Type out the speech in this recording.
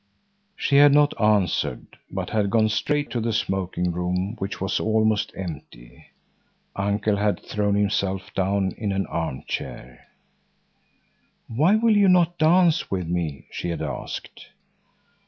She had not answered, but had gone straight to the smoking room, which was almost empty. Uncle had thrown himself down in an arm chair. "Why will you not dance with me?" she had asked.